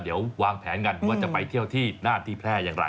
เดี๋ยววางแผนกันว่าจะไปเที่ยวที่น่านที่แพร่อย่างไร